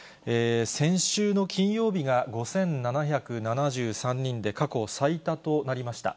先週の金曜日が５７７３人で、過去最多となりました。